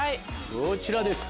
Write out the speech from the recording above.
こちらです。